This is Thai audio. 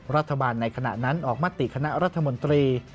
รัฐบาลในขณะนั้นออกมาติคณะรัฐมนตรี